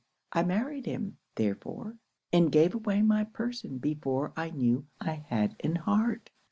I married him, therefore; and gave away my person before I knew I had an heart.